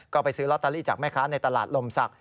ก็ไปซื้อลอตเตอรี่จากแม่ค้าในตลาดลมศักดิ